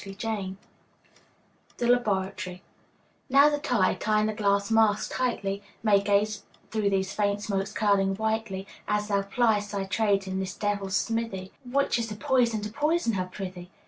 THE LABORATORY ANCIEN RÉGIME Now that I, tying thy glass mask tightly, May gaze through these faint smokes curling whitely, As thou pliest thy trade in this devil's smithy Which is the poison to poison her, prithee?